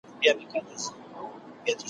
پر هر پانوس چي بوراګانو وو مقام نیولی `